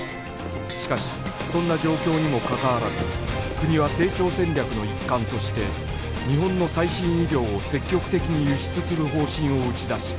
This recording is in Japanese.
しかしそんな状況にもかかわらず国は成長戦略の一環として日本の最新医療を積極的に輸出する方針を打ち出し